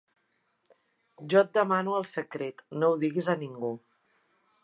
Jo et demano el secret: no ho diguis a ningú.